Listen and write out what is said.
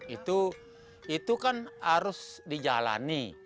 itu kan harus dijalani